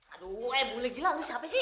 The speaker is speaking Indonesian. aduh boleh jelas lu siapa sih